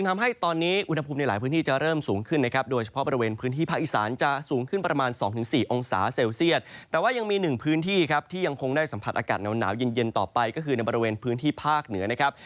อากาศหนาวเย็นต่อไปก็คือในบริเวณพื้นที่ภาคเหนือนะครับ